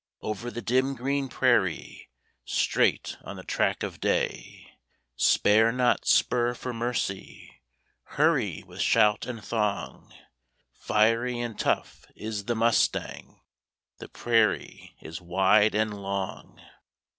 Over the dim green prairie, Straight on the track of day; Spare not spur for mercy, Hurry with shout and thong, Fiery and tough is the mustang, The prairie is wide and long.